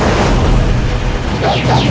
kenapa berbeda dari sebelumnya